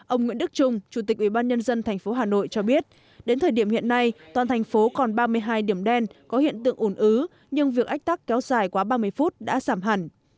ông nguyễn đức trung chủ tịch ủy ban nhân dân tp hà nội cho biết đến thời điểm hiện nay toàn thành phố còn ba mươi hai điểm đen có hiện tượng ủn ứ nhưng việc ách tắc kéo dài quá ba mươi phút đã giảm hẳn